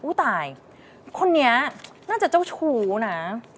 ตายคนนี้น่าจะเจ้าชู้นะ